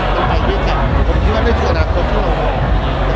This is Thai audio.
มันไปด้วยแค่คนคิดว่าไม่คืออนาคตที่เรารู้